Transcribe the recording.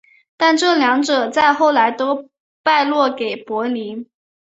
但这两者在后来都落败给柏林。